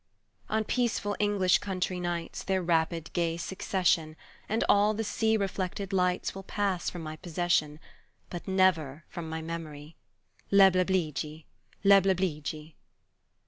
On peaceful English country nights Their rapid gay succession And all the sea reflected lights Will pass from my possession, But never from my memory, Leblebidji! leblebidji!